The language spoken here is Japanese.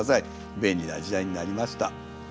便利な時代になりました。